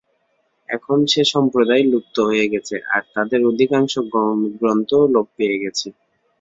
এখন সে-সম্প্রদায় লুপ্ত হয়ে গেছে, আর তাদের অধিকাংশ গ্রন্থও লোপ পেয়ে গেছে।